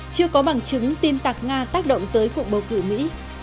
chưa có bằng chứng tin tặc nga tác động tới cuộc bầu cử mỹ